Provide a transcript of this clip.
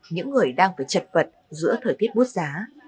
những người đang phải chật vật giữa thời tiết bút giá